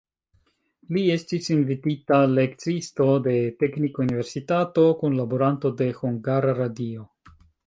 Li estis invitita lekciisto de teknikuniversitato, kunlaboranto de hungara radio.